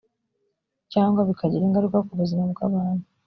cyangwa bikagira ingaruka ku buzima bw abantu